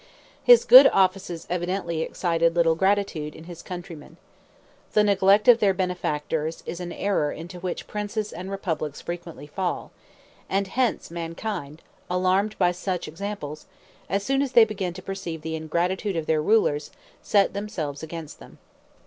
His good offices evidently excited little gratitude in his countrymen. The neglect of their benefactors is an error into which princes and republics frequently fall; and hence mankind, alarmed by such examples, as soon as they begin to perceive the ingratitude of their rulers, set themselves against them.